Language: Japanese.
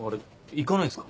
行かないんすか？